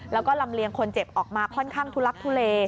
แล้วก็ลำเลียงคนเจ็บออกมาค่อนข้างทุลักทุเล